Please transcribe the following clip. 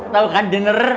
tau kan dinner